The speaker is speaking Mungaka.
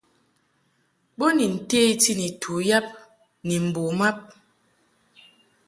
Bo ni nteti ni tu yab ni mbo mab.